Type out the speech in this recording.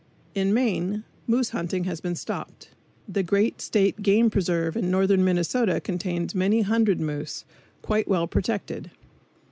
In Maine, moose hunting has been stopped. The great State game preserve in northern Minnesota contains many hundred moose, quite well protected.